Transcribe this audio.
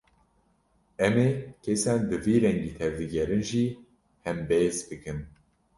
Em ê kesên bi vî rengî tevdigerin jî hembêz bikin